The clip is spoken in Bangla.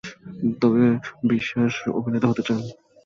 তবে বিশ্বাস অভিনেতা হতে চান।